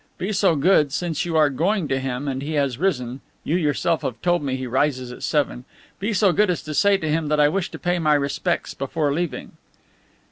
Be so good, since you are going to him and he has risen (you yourself have told me he rises at seven), be so good as to say to him that I wish to pay my respects before leaving."